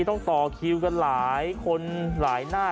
ต้องต่อคิวกันหลายคนหลายหน้า